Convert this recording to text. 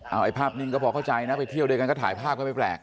เอาไอ้ภาพนิ่งก็พอเข้าใจนะไปเที่ยวด้วยกันก็ถ่ายภาพก็ไม่แปลก